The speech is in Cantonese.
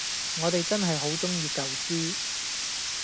我哋真係好鍾意舊書